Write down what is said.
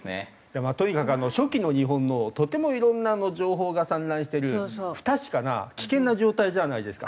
とにかく初期の日本のとてもいろんな情報が散乱してる不確かな危険な状態じゃないですか。